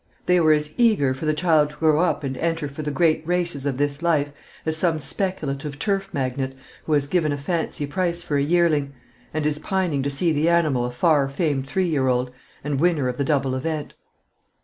They were as eager for the child to grow up and enter for the great races of this life, as some speculative turf magnate who has given a fancy price for a yearling, and is pining to see the animal a far famed three year old, and winner of the double event.